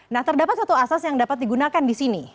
nah terdapat satu asas yang dapat digunakan di sini